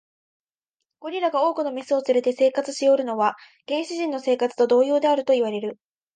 ゴリラが多くの牝を連れて生活しおるのは、原始人の生活と同様であるといわれる。